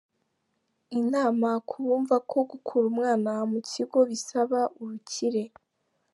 Inama ku bumva ko gukura umwana mu kigo bisaba ubukire.